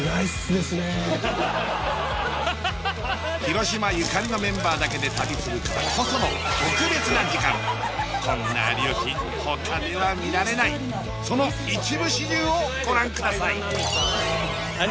広島ゆかりのメンバーだけで旅するからこその特別な時間こんな有吉他では見られないその一部始終をご覧ください！